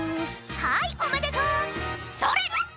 「はいおめでとう！それ！」